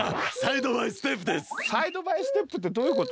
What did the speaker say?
サイド・バイ・ステップってどういうこと？